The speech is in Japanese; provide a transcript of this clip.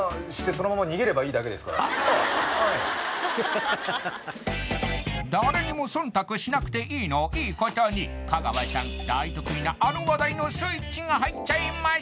そう誰にも忖度しなくていいのをいいことに香川さん大得意なあの話題のスイッチが入っちゃいます